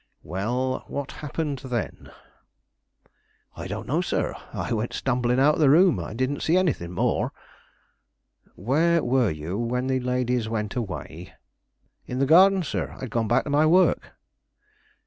"Well, what happened then?" "I don't know, sir. I went stumbling out of the room, and didn't see anything more." "Where were you when the ladies went away?" "In the garden, sir. I had gone back to my work."